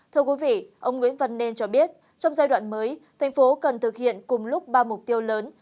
thưa quý vị ông nguyễn văn nên cho biết trong giai đoạn mới thành phố cần thực hiện cùng lúc ba mục tiêu lớn